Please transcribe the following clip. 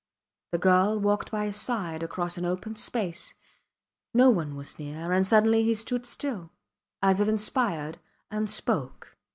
The girl walked by his side across an open space; no one was near, and suddenly he stood still, as if inspired, and spoke.